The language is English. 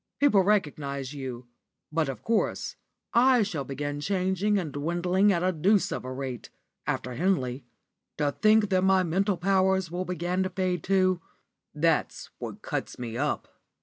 People recognise you, but, of course, I shall begin changing and dwindling at a deuce of a rate, after Henley. To think that my mental powers will begin to fade, too that's what cuts me up."